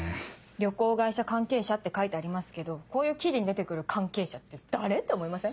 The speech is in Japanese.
旅行会社関係者って書いてありますけどこういう記事に出て来る関係者って誰って思いません？